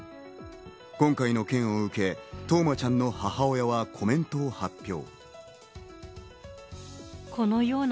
今回の件を受け、冬生ちゃんの母親がコメントを発表。